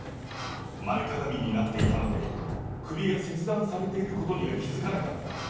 前かがみになっていたので、首が切断されていることには気付かなかった。